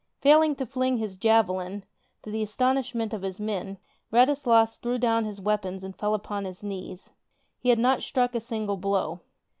Fail ing to fling his javelin, tO' the astonishment of his men, Rad islas threw down his weapons and fell upon his knees. He had not struck a single blow.